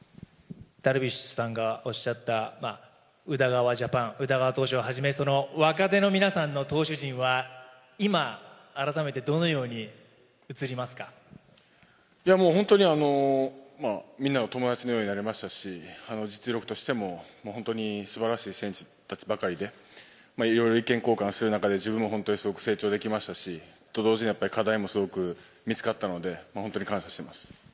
ダルビッシュさんがおっしゃった宇田川ジャパン、宇田川投手をはじめその若手の皆さんの投手陣は、今、いやもう本当にみんなが友達のようになりましたし、実力としても本当にすばらしい選手たちばかりで、いろいろ意見交換する中で自分も本当にすごく成長出来ましたし、と同時にやっぱり課題も多く見つかったので、本当に感謝してます。